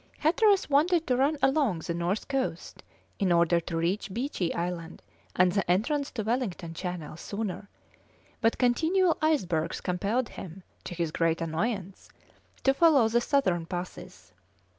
Hatteras wanted to run along the north coast, in order to reach Beechey Island and the entrance to Wellington Channel sooner; but continual icebergs compelled him, to his great annoyance, to follow the southern passes.